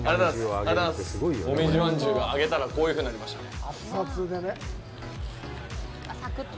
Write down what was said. もみじまんじゅうが、揚げたらこういうふうになりましたね。